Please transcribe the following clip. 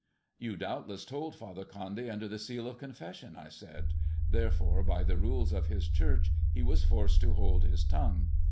"You doubtless told Father Condy under the seal of confession," I said ;" therefore, by the rules of his Church, he was forced to hold his tongue.